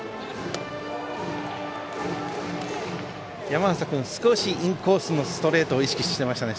山浅君少しインコースのストレートを意識していましたね。